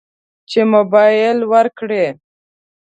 چې موبایل ورکړي.